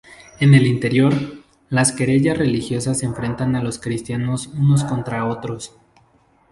En el interior, las querellas religiosas enfrentan a los cristianos unos contra otros.